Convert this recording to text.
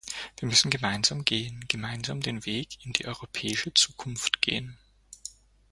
Wir müssen gemeinsam gehen, gemeinsam den Weg in die europäische Zukunft gehen.